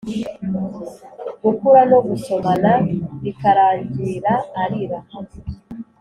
gukura no gusomana, bikarangira arira